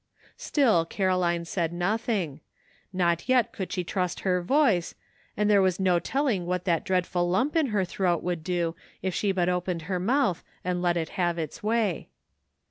Still Caroline said nothing; not yet could sfie trust her voice, and there was no telling what that dreadful lump in her throat would do if she but opened her mouth and let it have its way.